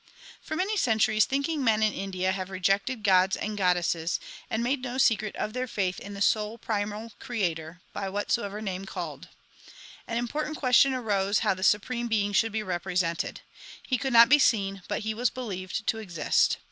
1 For many centuries thinking men in India have rejected gods and goddesses, and made no secret of their faith in the sole primal Creator, by whatsoever name called. An important question arose how the Supreme Being should be represented. He could not be seen, but He was believed to exist.